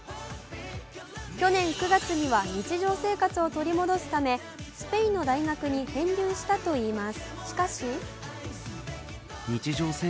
去年９月には日常生活を取り戻すためスペインの大学に編入したといいます。